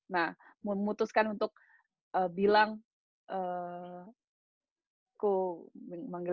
nah memutuskan untuk bilang